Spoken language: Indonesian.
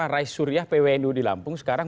rais suryah pwnu di lampung sekarang